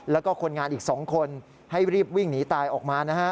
แล้วก็คนงานอีก๒คนให้รีบวิ่งหนีตายออกมานะฮะ